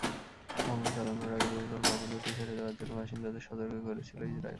হামলা চালানোর আগে বহুতল ভবন দুটি ছেড়ে দেওয়ার জন্য বাসিন্দাদের সতর্ক করেছিল ইসরায়েল।